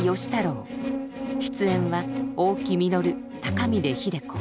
出演は大木実高峰秀子。